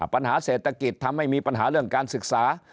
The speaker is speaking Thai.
ปัญหาเศรษฐกิจทำให้มีปัญหาเรื่องการศึกษา